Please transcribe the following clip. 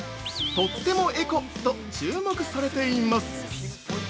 とってもエコと注目されています。